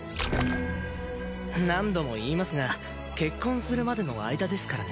何度も言いますが結婚するまでの間ですからね。